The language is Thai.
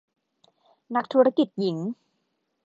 นักธุรกิจหญิง